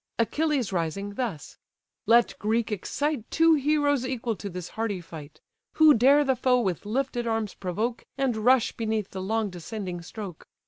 Achilles rising, thus: "Let Greece excite Two heroes equal to this hardy fight; Who dare the foe with lifted arms provoke, And rush beneath the long descending stroke.